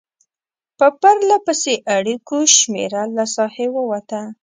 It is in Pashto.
په پرلپسې اړیکو شمېره له ساحې ووته.